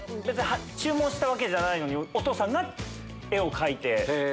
注文したわけじゃないのにお父さんが絵を描いて。